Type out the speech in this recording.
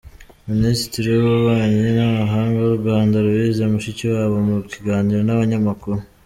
Minisitiri w’ububanyi n’amahanga w’ u Rwanda Louise Mushikiwabo mu kiganiro n’Abanyamakuru